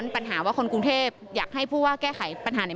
ปัญหาว่าคนกรุงเทพอยากให้ผู้ว่าแก้ไขปัญหาใน